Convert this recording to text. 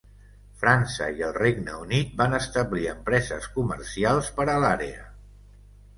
França i el Regne Unit van establir empreses comercials per a l'àrea.